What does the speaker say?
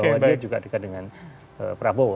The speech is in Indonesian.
bahwa dia juga dekat dengan prabowo